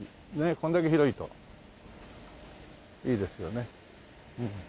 こんだけ広いといいですよね。